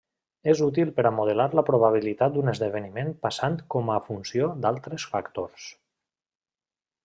És útil per a modelar la probabilitat d'un esdeveniment passant com a funció d'altres factors.